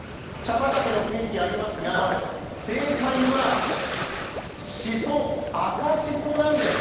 畑の雰囲気ありますが正解は、しそ、赤しそなんです。